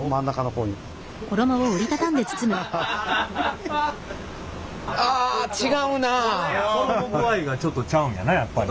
衣具合がちょっとちゃうんやなやっぱり。